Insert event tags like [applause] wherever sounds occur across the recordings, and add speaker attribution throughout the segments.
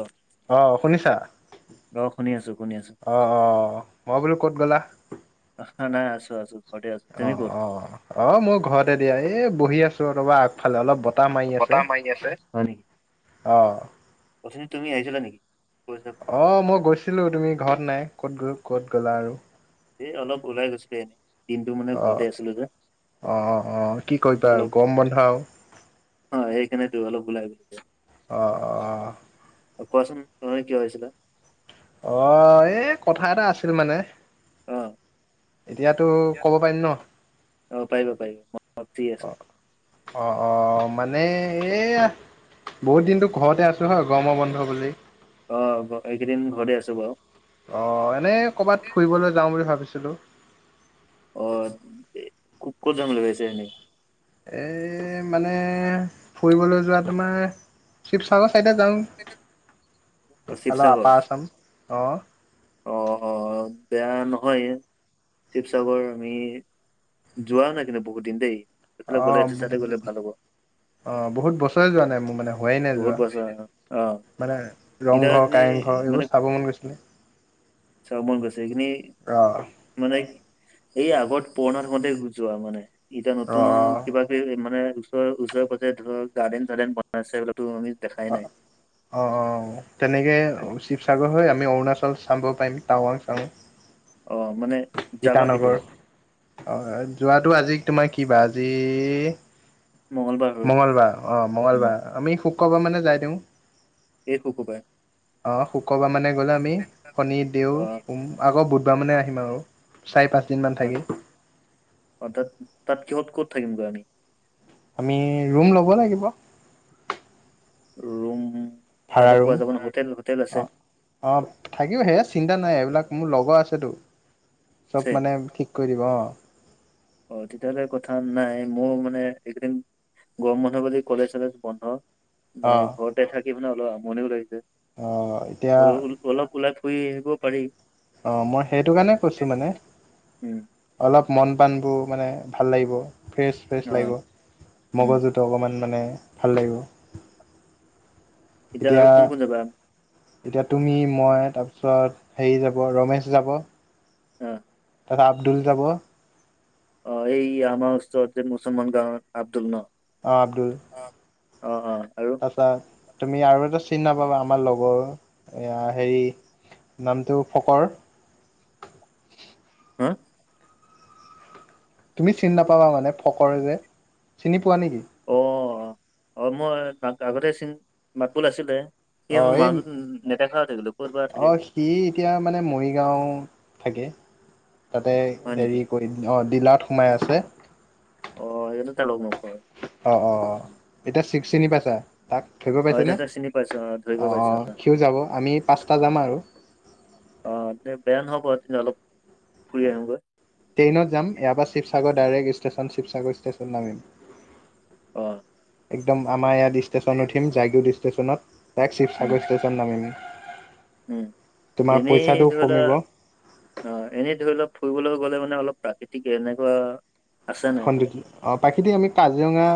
Speaker 1: অ',
Speaker 2: অঁ শুনিছা।
Speaker 1: শুনি আছো শুনি আছো
Speaker 2: অঁ অঁ মই বোলো ক'ত গ'লা?
Speaker 1: অহা নাই আছো আছো। ঘৰতে আছো তুমি
Speaker 2: অঁ
Speaker 1: ক'ত?
Speaker 2: অঁ অ মোৰ ঘৰতে দিয়া এই বহি আছো ৰবা। ফালে অলপ বতাহ মাৰি আছে
Speaker 1: পতাছে
Speaker 2: অঁ'।
Speaker 1: উথিনি তুমি আহিছিলা নেকি?
Speaker 2: অঁ মই গৈছিলোঁ তুমি ঘৰত নাই ক'ত গৈ ক'ত গ'লা আৰু?
Speaker 1: এই অলপ ওলাই গৈছিলো এনেই।
Speaker 2: অঁ অঁ অঁ কি কৰিবা আও গৰম বন্ধ আৰু।
Speaker 1: অঁ সেইকাণে তো অলপ ওলাই গলো গে।
Speaker 2: অঁ অঁ'
Speaker 1: কোৱাচোন, অথনি কিয় আহিছিলা?
Speaker 2: অঁহ এই কথা এটা আছিল মানে।
Speaker 1: অ',
Speaker 2: এতিয়াতো ক'ব পাৰিম ন,
Speaker 1: অ', পাৰিবা পাৰিবা মই ফ্ৰী আছো
Speaker 2: অঁ। অঁ অঁ মানে সেইয়া। বহুত দিনতো ঘৰতে আছো হয় গৰমৰ বন্ধ বুলি।
Speaker 1: অ ব এইকেইদিন ঘৰতে আছো বাৰু।
Speaker 2: অঁ এনেই ক'ৰবাত ফুৰিবলৈ যাওঁ বুলি ভাবিছিলো।
Speaker 1: অ কু ক'ত যাম বুলি ভাবিছে এনেই?
Speaker 2: এই মানে ফুৰিবলৈ যোৱা তোমাৰ- শিৱসাগৰ চাইডে যাওঁ অলপ
Speaker 1: শিৱসাগৰ
Speaker 2: আপাৰ আছাম অ
Speaker 1: অ বেয়া নহয় শিৱসাগৰ আমি যোৱা নাই কিন্তু বহুত দিন দেই এইফালে গ'লে
Speaker 2: অঁ
Speaker 1: এইটো চাইডে গ'লে ভাল হ'ব
Speaker 2: অঁ বহুত বছৰে যোৱা নাই মোৰ মানে হোৱাই নাই
Speaker 1: বহুত
Speaker 2: যোৱা
Speaker 1: বছৰ অ
Speaker 2: মানে
Speaker 1: এতিয়া
Speaker 2: ৰংঘৰ
Speaker 1: এইখিনি
Speaker 2: কাৰেংঘৰ
Speaker 1: মানে
Speaker 2: এইবোৰ চাব মন গৈছিলে
Speaker 1: চাব মন গৈছে এইখিনি
Speaker 2: অ
Speaker 1: মানে এই আগত পুৰণা সমতে গুজোৱা মানে ইতিয়া
Speaker 2: অ অ
Speaker 1: নতুন কিবা কিবি মানে ওচৰ ওচৰৰ পাজতে ধৰ গাৰ্ডেন চাৰ্ডন বনাইছে এইবিলো আমি দেখাই নাই
Speaker 2: অ অ তেনেকে শিৱসাগৰ হৈ আমি অৰুণাচল চাব পাৰিম টাৱাং চাম
Speaker 1: অ মানে যাবা কেতিয়া এতিয়া
Speaker 2: অ যোৱাটো আজি তোমাৰ কি বাৰ আজি
Speaker 1: মংগলবাৰ হ'ল
Speaker 2: মঙলবাৰ অঁ
Speaker 1: উম
Speaker 2: মঙলবাৰ আমি শুক্ৰবাৰ মানে যাই দিওঁ
Speaker 1: এই শুকুৰবাৰে
Speaker 2: আহ শুক্ৰবাৰ মানে গ'লে আমি শনি দেউ
Speaker 1: অ
Speaker 2: সোম আকৌ বুধবাৰ মানে আহিম আৰু চাৰি পাঁচ দিন মান থাকি
Speaker 1: অ তাত তাত কিহত ক'ত থাকিমগৈ আমি
Speaker 2: আমি ৰুম ল'ব লাগিব
Speaker 1: ৰোম
Speaker 2: ভাড়াৰুম অঁ অ থাকিব হে চিন্তা নাই এইবিলাক মোৰ লগৰ আছেতো
Speaker 1: আছে
Speaker 2: চব মানে ঠিক কৰি দিব অ
Speaker 1: অ তেতিয়াহ'লে কথা নাই মোৰ মানে একদিন গৰম বন্ধ বুলি কলেজ চলেজ বন্ধ।
Speaker 2: অঁ
Speaker 1: নাই ঘৰতে থাকি মানে অলপ আমনিও লাগিছে
Speaker 2: অ এতিয়া
Speaker 1: অলপ অলপ ওলাই শুই আহিব পাৰি
Speaker 2: অ মই সেইটো কাৰণে কৈছো মানে
Speaker 1: উম
Speaker 2: অলপ মন পাণবোৰ মানে ভাল লাগিব ফ্ৰেচ ফ্ৰেচ
Speaker 1: অ
Speaker 2: লাগিব
Speaker 1: উম
Speaker 2: মগজুত তটো অকণমান মানে ভাল লাগিব
Speaker 1: আৰু
Speaker 2: এতিয়া
Speaker 1: কোন কোন যাবা
Speaker 2: এতিয়া তুমি মই তাৰপিছত হেৰি যাব ৰমেশ যাব
Speaker 1: অ
Speaker 2: তপা আব্দুল যাব
Speaker 1: অ এই আমাৰ ওচৰত যে মুছলমান গাঁৱত আব্দুল ন
Speaker 2: অ আব্দুল
Speaker 1: অ অ আৰু
Speaker 2: তাপা তুমি আৰু এটা চিনি নাাপাবা আমাৰ লগৰ এ হেৰি নামটো ফকৰ
Speaker 1: হা
Speaker 2: তুমি চিনি নাপাবা মানে ফকৰে যে চিনি পোৱা নেকি
Speaker 1: অঁ অ মই তাক আগতে মাতবোল আছিলে
Speaker 2: অ
Speaker 1: সেইবোৰ
Speaker 2: এই
Speaker 1: মানুহত নেদেখা হৈ থাকিলো ক'ত বা
Speaker 2: অ
Speaker 1: থাকে
Speaker 2: সি এতিয়া মানে মৰিগাঁও থাকে তাতে
Speaker 1: হয় নেকি
Speaker 2: হেৰি কৰি অ ডিলাৰত সোমাই আছে।
Speaker 1: অ [unintelligible]
Speaker 2: অঁ অঁঁ এতিয়া ছিক্স চিনি পাইছা তাক সি গৈ
Speaker 1: অ এতিয়া
Speaker 2: পাইছেনে
Speaker 1: তাক চিনি পাইছো অ ধৰিব পাইছো
Speaker 2: অঁ সিও যাব আমি পাঁচটা যাম আৰু
Speaker 1: অ দে বেয়া নহ'ব তেন্ত অলপ ফুৰি আহোগৈ
Speaker 2: ট্ৰেইনত যাম ইয়াৰ পৰা Sivasagar direct station Sivasagar station নামিম।
Speaker 1: অ
Speaker 2: একদম আমাৰ ইয়াত ষ্টেচন উঠিম জাইউড ষ্টেচনত দাইৰেক্ট
Speaker 1: উম
Speaker 2: শিৱসাগৰ ষ্টেচন নাম
Speaker 1: উম
Speaker 2: তোমাৰ
Speaker 1: এনেই
Speaker 2: পইচাটো
Speaker 1: ধৰি লোৱা
Speaker 2: কমিব।
Speaker 1: অ এনেই ধৰিলক ফুৰিবলৈ গলে মানে অলপ প্ৰাকৃতিক এনেকুৱা আছে নাই
Speaker 2: সংযোগ
Speaker 1: এইফালে
Speaker 2: অ প্ৰাকৃতিক আমি কাজিৰঙা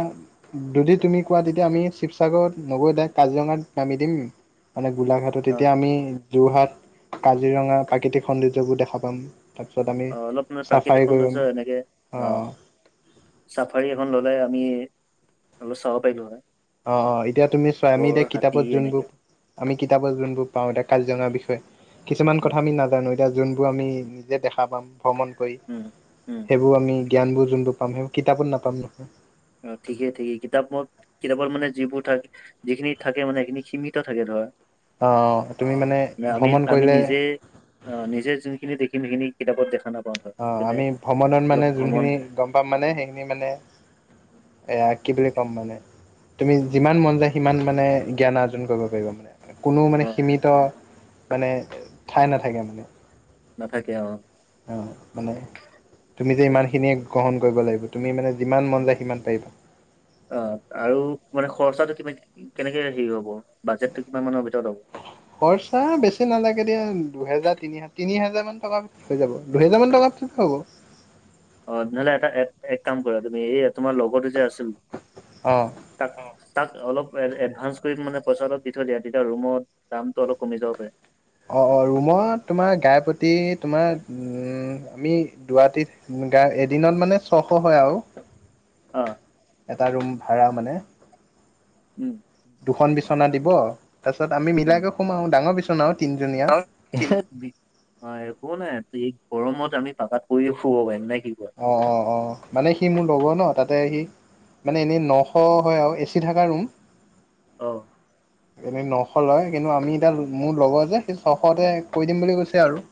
Speaker 2: যদি তুমি কোৱা তেতিয়া আমি শিৱসাগৰত নগৈ দাইৰেক্ট কাজিৰঙাত নামি দিম। মানে গোলাঘাটত
Speaker 1: অ
Speaker 2: এতিয়া আমি যোৰহাট কাজিৰঙা প্ৰাকৃতিক সৌন্দৰ্যবোৰ দেখা পাম। তাৰপিছত আমি
Speaker 1: অ অলপ মানে প্ৰাকৃতিক
Speaker 2: চাফাই কৰিম
Speaker 1: সৌন্দৰ্য এনেকে
Speaker 2: অ
Speaker 1: চাফাৰী এখন ললে আমি অলপ চাব পাৰিলো হয়।
Speaker 2: অ অ এতিয়া তুমি চোৱাআমি
Speaker 1: গড়
Speaker 2: দিয়া
Speaker 1: হাতী
Speaker 2: কিতাপত যোনবোৰ
Speaker 1: এনেকে
Speaker 2: - আমি কিতাপৰ যোনবোৰ পাও এতিয়া কাজিৰঙাৰ বিষয়ে কিছুমান
Speaker 1: উম
Speaker 2: কথা আমি নাজানো এতিয়া যোনবোৰ আমি নিজে দেখা পাম ভ্ৰমণ কৰি,
Speaker 1: উম উম
Speaker 2: সেইবোৰ আমি জ্ঞানবোৰ যোনটো পাম সেইবোৰ কিতাপত নাপাম নহয়।
Speaker 1: অ ঠিকেই ঠিকেই কিতাপ মত কিতাপৰ মানে যিবোৰ থাক যিখিনি থাকে মানে সেইখিনি সীমিত থাকে ধৰ।
Speaker 2: অ' তুমি মানে
Speaker 1: অ আমি
Speaker 2: ভ্ৰমণ
Speaker 1: আমি
Speaker 2: কৰিলে
Speaker 1: নিজে অ নিজে যোনখিনি দেখিম সেইখিনি কিতাপত দেখা নাপাব।
Speaker 2: অ আমি ভ্ৰমণত মানে যোনখিনি গম পাম মানে সেইখিনি মানে এয়া কি বুলি ক'ম মানে তুমি যিমান মন যায় সিমান মানে জ্ঞান আৰ্জন কৰিব পাৰিবা মানে। কোনো মানে
Speaker 1: অ
Speaker 2: সীমিত মানে ঠাই নাথাকে মানে।
Speaker 1: নাথাকে অ
Speaker 2: অঁ মানে তুমি যে ইমানখিনিয়ে গ্ৰহণ কৰিব লাগিব তুমি মানে যিমান মন যায় সিমান পাৰিবা।
Speaker 1: অ আৰু মানে খৰচাটো কিমান কি কেনেকে হেৰি হ'ব বাজেটটো কিমান মানৰ ভিতৰত হ'ব?
Speaker 2: খৰচা বেছি নালাগে দিয়া দুহেজাৰ তিনি হেজাৰ তিনি হাজাৰ মান টকাত হৈ যাব দুহেজাৰ মান টকাত পিছত হ'ব।
Speaker 1: অ নহ'লে এটা এক কাম কৰা তুমি এই তোমাৰ লগৰতো যে আছিল
Speaker 2: অ
Speaker 1: তাক তাক অলপ এডভান্স কৰি মানে পইচা অলপ দি থৈ দিয়া তেতিয়া ৰুমত - দামটো অলপ কমি যাব পাৰে।
Speaker 2: অ অ ৰুমত তোমাৰ গাই প্ৰতি তোমাৰ উ আমি দুুৱাটি গা এদিনত মানে ছশ হয় আৰু
Speaker 1: অ
Speaker 2: এটা ৰুম ভাড়া মানে
Speaker 1: উম
Speaker 2: দুখন বিচনা দিব তাৰপিছত আমি
Speaker 1: উম
Speaker 2: মিলাই কই শুম আও ডাঙৰ বিচনা অ তিনজনীয়া
Speaker 1: একো নাই এই গৰমত আমি পাকাত পৰিয়ে শুব পাৰিম নে কি কয়?
Speaker 2: অ অ অ মানে সি মোৰ লগৰ ন তাতে সি মানে এনেই নশ হয় আৰু এ চি থকা ৰুম
Speaker 1: অঁ
Speaker 2: [inaudible] এনে নশ লয় কিন্তু আমি এতিয়া মোৰ লগৰ যে সি ছশতে কৈ দিম বুলি কৈছে আৰু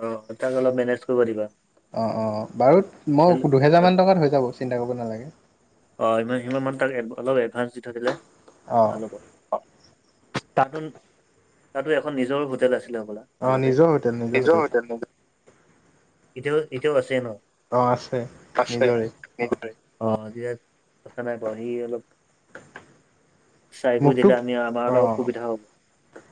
Speaker 1: অ তাক অলপ মেনেজ কৰিব দিবা।
Speaker 2: অঁ অঁ বাৰু মই দুহেজাৰমান টকাত হৈ যাব চিন্তা কৰিব নালাগে।
Speaker 1: অঁ ইমান সিমান মানত তাক অলপ এডভা্ঞ্চ দি থৈ দিলে
Speaker 2: অঁ
Speaker 1: ভাল হ'ব অ তাতোন তাতো এখন নিজৰ হোটেল আছিলে সবলা
Speaker 2: অঁ
Speaker 1: আগতে,
Speaker 2: নিজৰ হোটেল
Speaker 1: নিজৰ হোটেল ন এতিয়াও এতিয়াও আছে ন?
Speaker 2: অ আছে
Speaker 1: আছে।
Speaker 2: নিজৰে।
Speaker 1: অ জি আ [inaudible] কথা নাই বহি অলপ চাই বৈ
Speaker 2: মোকতো
Speaker 1: দিলে আমি আমাৰ অলপ অসুবিধা হ'ব।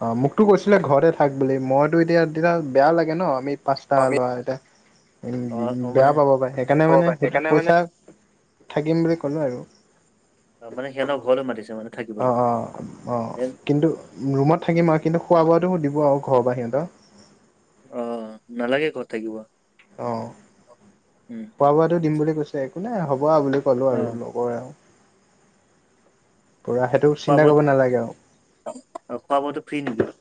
Speaker 2: অঁ মোকতো কৈছিলে ঘৰতে থাক বুলি মইতো এতিয়াতিয়া বেয়া লাগে ন আমি পাঁচটা
Speaker 1: আমি
Speaker 2: লোৱা এতিয়া
Speaker 1: অ অ
Speaker 2: সেই বেয়া
Speaker 1: মানে
Speaker 2: পাব পাৰে সেইকাৰণে
Speaker 1: হ'ব
Speaker 2: মানে
Speaker 1: পাৰে
Speaker 2: হে
Speaker 1: সেইকাৰণে মানে
Speaker 2: পইচা থাকিম বুলি ক'লোঁ আৰু।
Speaker 1: অ মানে সিহঁতৰ ঘৰলৈ মাতিছে মানে। থাকিবলৈ।
Speaker 2: অঁ অঁ অঁ কিন্তু ৰুমত থাকিম আৰু কিন্তু খোৱা - বোৱাটো সুধিব আৰু ঘৰৰপৰা সিহঁতৰ।
Speaker 1: অ, নালাগে ঘৰত থাকিব।
Speaker 2: অ।
Speaker 1: উম।
Speaker 2: খোৱা - বোৱাটো দিম বুলি কৈছে, একো নাই হ'ব বুলি ক'লো
Speaker 1: অ
Speaker 2: আৰু লগৰ আৰু। পুৰা সেইটো
Speaker 1: খোৱা
Speaker 2: চিন্তা
Speaker 1: বোৱাত
Speaker 2: কৰিব নালাগে আৰু।
Speaker 1: খোৱা বোৱাটো ফ্ৰী নেকি?
Speaker 2: অ,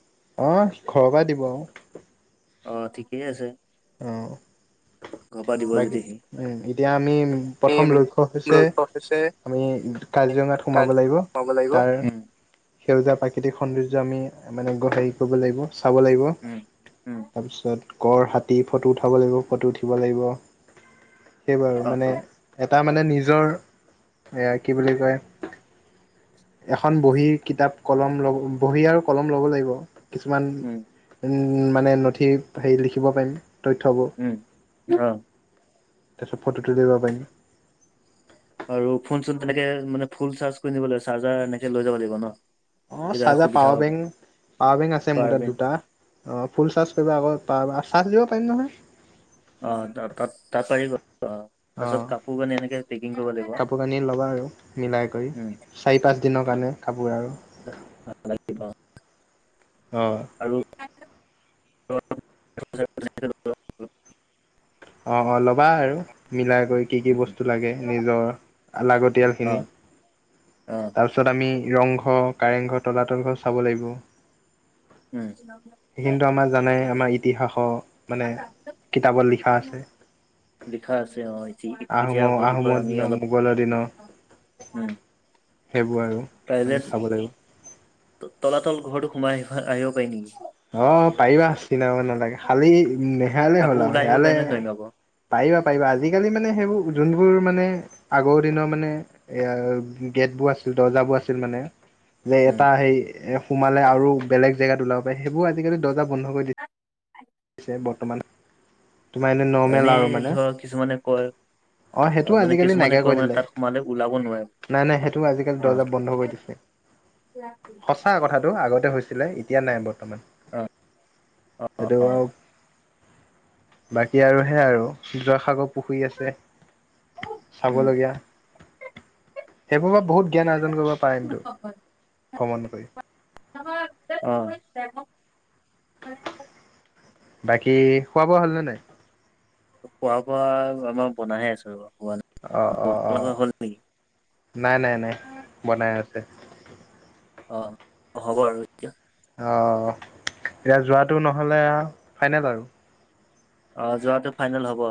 Speaker 2: ঘৰৰ পৰা দিব আৰু।
Speaker 1: অ, ঠিকেই আছে।
Speaker 2: অ।
Speaker 1: ঘৰৰ পৰা দিব
Speaker 2: বাকী
Speaker 1: যদি সি।
Speaker 2: ওম এতিয়া আমি প্ৰথম
Speaker 1: উম
Speaker 2: লক্ষ্য হৈছে
Speaker 1: লক্ষ্য হৈছে
Speaker 2: আমি কাজিৰঙাত সোমাব
Speaker 1: কালি
Speaker 2: লাগিব
Speaker 1: সোমাব লাগিব।
Speaker 2: তাৰ
Speaker 1: উম
Speaker 2: সেউজীয়া প্ৰাকৃতিক সৌন্দৰ্য আমি মানে গ হেৰি কৰিব লাগিব। চাব লাগিব
Speaker 1: উম উম
Speaker 2: তাৰপিছত গড়, হাতী ফটো উঠাব লাগিব, ফটো উঠিব লাগিব সেইবাৰু
Speaker 1: অ
Speaker 2: মানে এটা মানে নিজৰ এয়া কি বুলি কয় এখন বহী, কিতাপ, কলম ল'ব বহী আৰু কলম ল'ব লাগিব। কিছুমান
Speaker 1: উম।
Speaker 2: উম মানে নথি হেৰি লিখিব পাৰিম তথ্যবোৰ।
Speaker 1: উম অ।
Speaker 2: তাৰপিছত ফটো তুলিব পাৰিম।
Speaker 1: আৰু ফোন - চোন তেনেকে মানে ফুল চাৰ্জ কৰি নিব লাগিব, চাৰ্জাৰ এনেকে লৈ যাব লাগিব ন?
Speaker 2: অ
Speaker 1: তেতিয়া
Speaker 2: চাৰ্জাৰ
Speaker 1: সুবিধা
Speaker 2: পাৱাৰ
Speaker 1: হ'ব
Speaker 2: বেংক, পাৱাৰ বেংক আছে
Speaker 1: পাৱাৰ
Speaker 2: মোৰ তাত
Speaker 1: বেংক
Speaker 2: দুটা। অ, ফুল চাৰ্জ কৰিবা আকৌ পাৰ আৰু চাৰ্জ দিব পাৰিম নহয়।
Speaker 1: অ, তাত তাক তাত পাৰিব অ।
Speaker 2: অ,
Speaker 1: তাৰপিছত কাপোৰ কানি এনেকে পেকিং কৰিব লাগিব
Speaker 2: কাপোৰ কানি ল'বা আৰু মিলাই কৰি।
Speaker 1: উম,
Speaker 2: চাৰি - পাঁচদিনৰ কাৰণে কাপোৰ আৰু।
Speaker 1: কিা [unintelligible]
Speaker 2: অ।
Speaker 1: আৰু। [inaudible]
Speaker 2: অ-অ ল'বা আৰু মিলাই কৰি কি কি বস্তু লাগে নিজৰ আ
Speaker 1: অ,
Speaker 2: লাগতিয়ালখিনি।
Speaker 1: অ।
Speaker 2: তাৰপিছত আমি ৰংঘৰ, কাৰেংঘৰ, তলাতল ঘৰ চাব লাগিব।
Speaker 1: উম।
Speaker 2: সেইখিনিতো আমাৰ জানে, আমাৰ ইতিহাসৰ মানে কিতাপত লিখা আছ
Speaker 1: লিখা আছে অ, ইতি ই
Speaker 2: আহোমৰ-আহোমৰ দিনৰ, মোগলৰ দিনৰ। সেইবোৰ আৰু আমি খাব লাগিব।
Speaker 1: ত তলাতল ঘৰটো সোমাই আহি আহিব পাৰি নিকি?
Speaker 2: অ, পাৰিবা চিনাব নালাগে, খালি নেহেয়ালে
Speaker 1: আকৌ
Speaker 2: হ'ল আৰু
Speaker 1: ওলাই আহিব
Speaker 2: সেয়ালে।
Speaker 1: আকৌ
Speaker 2: পাৰিবা-পাৰিবা আজিকালি মানে সেইবোৰ, যোনবোৰ মানে আগৰ দিনৰ মানে। এয়া গেট বোৰ আছিল, দৰ্জাবোৰ আছিল মানে। যে
Speaker 1: উম,
Speaker 2: এটা সেই এ সোমালে আৰু বেলেগ জেগাত ওলাব পায়, সেইবোৰ আজিকালি দৰ্জা বন্ধ কৰি দি। বৰ্তমান তোমাৰ এনে নৰ্মেল
Speaker 1: এনেই
Speaker 2: আৰু মানে।
Speaker 1: ধৰ কিছুমানে কয়
Speaker 2: অ সেইটো
Speaker 1: মানে
Speaker 2: আজিকালি
Speaker 1: কিছুমানে
Speaker 2: নাইকিয়া
Speaker 1: কয়
Speaker 2: কৰি
Speaker 1: মানে
Speaker 2: দিলে।
Speaker 1: তাত সোমালে ওলাব নোৱাৰে
Speaker 2: নাই-নাই, সেইটো আজিকালি দৰ্জা বন্ধ কৰি দিছে।
Speaker 1: ৰাখি।
Speaker 2: সঁচা কথাটো আগতে হৈছিলে, এতিয়া নাই বৰ্তমান,
Speaker 1: অ, অ,
Speaker 2: সেইটো বাৰু। বাকী আৰু হে আৰু জয়সাগৰ পুখুৰী আছে,
Speaker 1: উম,
Speaker 2: চাবলগীয়া। সেইবোৰৰ পৰা বহুত জ্ঞান আৰ্জন কৰিব পাৰিমতো ভ্ৰমণ কৰি।
Speaker 1: অ।
Speaker 2: বাকী, খোৱা বোৱা হ'লনে নাই।
Speaker 1: খোৱা বোৱা আমাৰ বনাইহে আছে ৰ'বা হোৱা নাই।
Speaker 2: অ-অ-
Speaker 1: হ'ব
Speaker 2: অ,
Speaker 1: তোমালোকৰ হ'ল নেকি?
Speaker 2: নাই- নাই- নাই বনাই আছে।
Speaker 1: অ, হ'ব আৰু এতিয়া।
Speaker 2: অ, এতিয়া যোৱাটো নহ'লে, ফাইনেল আৰু।
Speaker 1: অ যোৱাটো ফাইনেল হ'ব।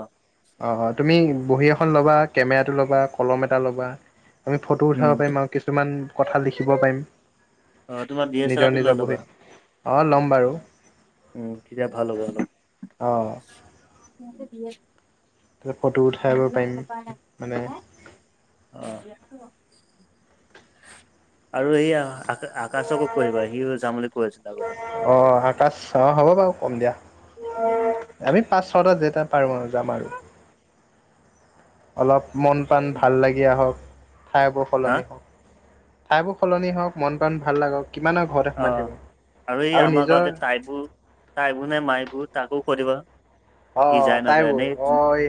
Speaker 2: অ', অ', তুমি বহী এখন ল'বা, কেমেৰাটো ল'বা, কলম এটা ল'বা। আমি ফটো
Speaker 1: উম,
Speaker 2: উঠাব পাৰিম আৰু কিছুমান কথা লিখিব পাৰিম।
Speaker 1: অ' তোমাৰ ডি এছ
Speaker 2: নিজৰ
Speaker 1: এলাৰটো
Speaker 2: নিজৰ
Speaker 1: লৈ
Speaker 2: বহীত
Speaker 1: ল'বা।
Speaker 2: অ' ল'ম বাৰু।
Speaker 1: উম, তেতিয়া ভাল হ'ব অলপ।
Speaker 2: অ', ত ফটো উঠাব পাৰিম হয়নে।
Speaker 1: অ। আৰু এয়া আকা আকাশকো কৈ দিবা। সিও যাম বুলি কৈ আছিলে আগতে।
Speaker 2: অ, আকাশ অ হ'ব বাৰু কম দিয়া, আমি পাঁচ। যেতা পাৰোঁ যাম আৰু। অলপ মন প্ৰাণ ভাল লাগি আহক, ঠাইবোৰ
Speaker 1: হা
Speaker 2: সলনি হওঁক। ঠাই বোৰ সলনি হওঁক মন প্ৰাণ ভাল লাগক কিমান আ।
Speaker 1: অ' আৰু এই আমাৰ গাঁৱতে যে তাইবোৰ তাইবোৰ নে মাইবোৰ তাকো সুধিবা।
Speaker 2: অ' তাই বোৰ অ' মই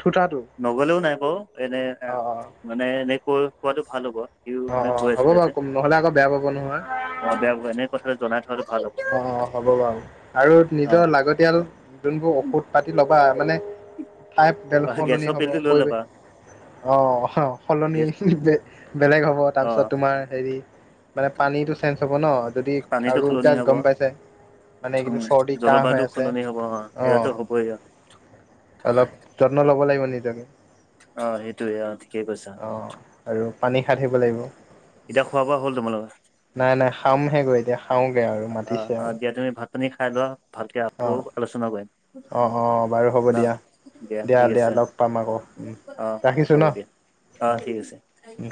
Speaker 2: থঠোটাটো।
Speaker 1: নগ'লেও নাই বাৰু এনে।
Speaker 2: অ', অ'।
Speaker 1: মানে এনেকৈ কোৱাটো ভাল হ'ব। সিও
Speaker 2: অ',
Speaker 1: মানে
Speaker 2: অ',
Speaker 1: কৈ
Speaker 2: হ'ব বাৰু নহ'লে আকৌ বেয়া পাব নহয়।
Speaker 1: অ' বেয়া পাব এনে কথাটো জনাই থোৱা ভাল হ'ব।
Speaker 2: অ' হ'ব বাৰু, আৰু নিজৰ লাগতিয়াল যোনবোৰ ঔষধ পাতি ল'বা মানে। ঠাই তেল
Speaker 1: অ'
Speaker 2: সলনি
Speaker 1: গেছৰ
Speaker 2: হ'ব
Speaker 1: পিলটো লৈ
Speaker 2: পৰিৱেশ।
Speaker 1: ল'বা
Speaker 2: অ', অ', সলনি
Speaker 1: গেছ
Speaker 2: বেলেগ হ'ব
Speaker 1: অ'
Speaker 2: তাৰপিছত তোমাৰ হেৰি। মানে পানীটো চেঞ্জ হ'ব ন' যদি
Speaker 1: পানীটো
Speaker 2: আৰু
Speaker 1: সলনি হ'ব।
Speaker 2: গ'ম পাইছে। মানে এই কি কয় চৰ্দি কাঁহ হৈ
Speaker 1: জলবায়ুটো
Speaker 2: আছে,
Speaker 1: সলনি হ'ব
Speaker 2: অ
Speaker 1: এইয়াতো হ'বই
Speaker 2: অলপ। যত্ন ল'ব লাগিব নিজকে।
Speaker 1: অ' সেইটোয়ে অ' ঠিকে কৈছা।
Speaker 2: অ' আৰু পানী খাই থাকিব লাগিব।
Speaker 1: এতিয়া খোৱা বোৱা হ'ল তোমালোকৰ?
Speaker 2: নাই নাই খামহে গৈ এতিয়া খাওঁ
Speaker 1: অ অ দিয়া তুমি ভাত-পানী খাই লোৱা ভালকে
Speaker 2: অ
Speaker 1: আকৌ আলোচনা কৰিম।
Speaker 2: অ অ বাৰু হ'ব
Speaker 1: ন
Speaker 2: দিয়া। দিয়া
Speaker 1: ঠিক
Speaker 2: দিয়া
Speaker 1: আছে
Speaker 2: লগ পাম আকৌ উম ৰাখিছোঁ ন,
Speaker 1: হ'ব দিয়া
Speaker 2: অ। উম।